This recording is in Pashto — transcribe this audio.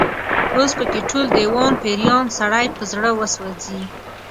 اوس په کې ټول، دېوان پيریان، سړی په زړه وسوځي